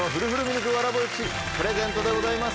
プレゼントでございます。